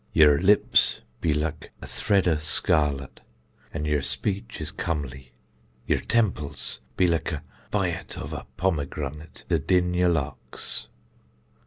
Yer lips be lik a thread of scarlet, an yer speech is comely; yer temples be lik a bit of a pomgranate adin yer locks.